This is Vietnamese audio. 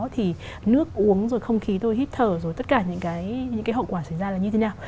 thì nước uống rồi không khí tôi hít thở rồi tất cả những cái hậu quả xảy ra là như thế nào